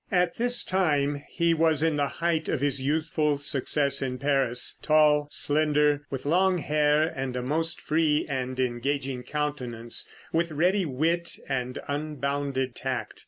At this time he was in the height of his youthful success in Paris, tall, slender, with long hair and a most free and engaging countenance, with ready wit and unbounded tact.